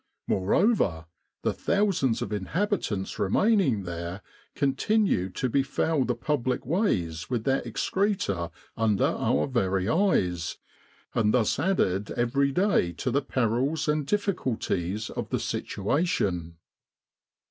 Moreover, the thousands of inhabitants remaining there continued to befoul the public ways with their excreta under our very eyes, and thus added every day to the perils and difficulties of the situation.